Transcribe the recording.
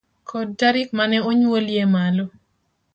kod tarik ma ne onyuolie malo